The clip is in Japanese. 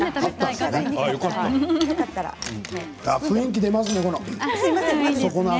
雰囲気、出ますね